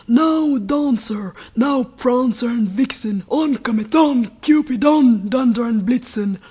now, Dancer! now, Prancer and Vixen! On, Comet! on, Cupid! on, Donder and Blitzen!